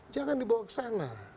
jangan dibawa ke sana